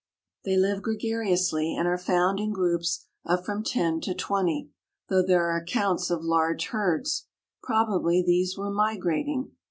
They live gregariously and are found in groups of from ten to twenty, though there are accounts of large herds. Probably these were migrating.